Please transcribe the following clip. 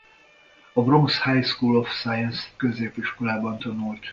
A Bronx High School of Science középiskolában tanult.